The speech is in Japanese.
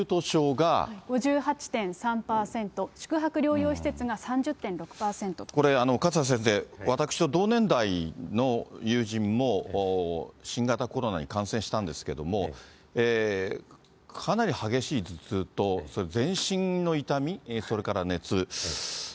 ５８．３％、宿泊療養施設がこれ、勝田先生、私と同年代の友人も、新型コロナに感染したんですけども、かなり激しい頭痛と、それから全身の痛み、それから熱。